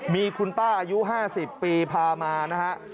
มีคุณป้าอายุ๕๐ปีพามานะฮะ